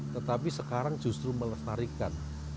tetapi sekarang justru melestarikan